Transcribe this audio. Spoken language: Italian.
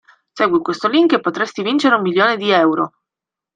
Segui questo link e potresti vincere un milione di euro.